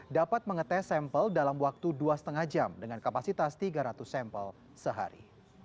dapat mengetes sampel dalam waktu dua lima jam dengan kapasitas tiga ratus sampel sehari